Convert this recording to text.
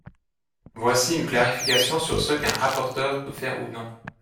Voici une clarification sur ce qu’un rapporteur peut faire ou non.